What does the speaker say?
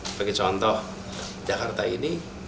sebagai contoh jakarta ini